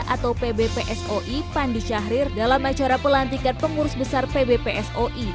atau pbpsoi pandi syahrir dalam acara pelantikan pengurus besar pbpsoi